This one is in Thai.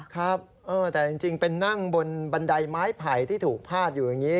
ครับแต่จริงเป็นนั่งบนบันไดไม้ไผ่ที่ถูกพาดอยู่อย่างนี้